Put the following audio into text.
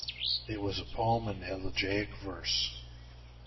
It was a poem in elegiac verse.